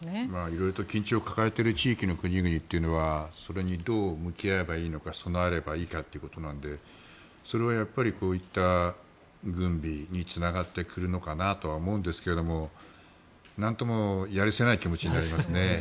色々と緊張を抱えている地域の国々というのはそれにどう向き合えばいいのか備えればいいのかということなのでそれがこういった軍備につながってくるのかなとは思うんですがなんともやるせない気持ちになりますね。